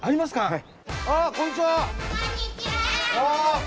はい！